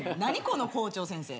この校長先生。